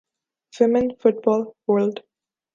women football world